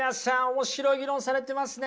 面白い議論されてますね！